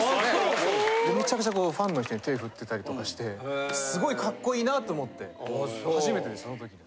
でむちゃくちゃこうファンの人に手ふってたりとかしてすごいかっこいいなと思って初めてですその時に。